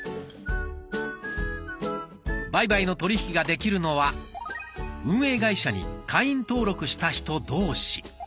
売買の取り引きができるのは運営会社に会員登録した人同士。